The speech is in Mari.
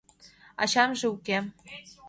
— Ачамже уке...